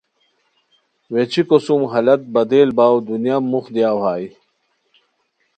ویچھیکو سُم حالت بدل باؤ دنیا موخ دیاؤ ہائے